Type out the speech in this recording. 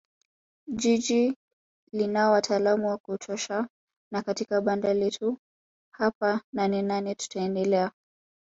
Jiji linao wataalam wa kutosha na katika banda letu hapa Nanenane tutaendelea